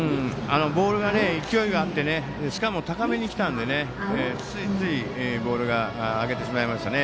ボールに勢いがあってしかも高めに来たのでついつい、ボールを上げてしまいましたね。